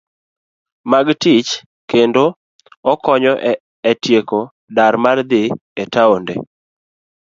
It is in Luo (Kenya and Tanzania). Mag tich kendo okonyo e tieko dar mar dhi e taonde